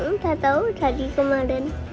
nggak tahu tadi kemarin